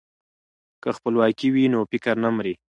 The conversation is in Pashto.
که خپلواکي وي نو فکر نه مري.